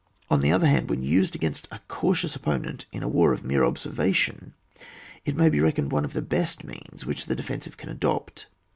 On the other hand, when used against a cautious opponent in a war of mere observation, it may be reckoned one of the best means which the defensive can adopt.